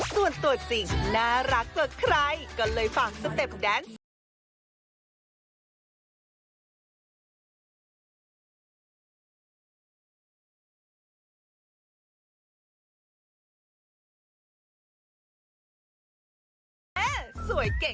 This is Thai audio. ส่วนตัวสิ่งน่ารักเกิดใครก็เลยฟังสเต็ปแดนส์